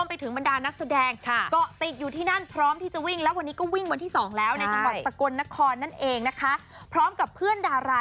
ไปถึงบรรดานักแสดงเกาะติดอยู่ที่นั่นพร้อมที่จะวิ่งแล้ววันนี้ก็วิ่งวันที่๒แล้วในจังหวัดสกลนครนั่นเองนะคะพร้อมกับเพื่อนดารา